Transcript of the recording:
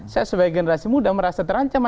saya sebagai generasi muda merasa terancam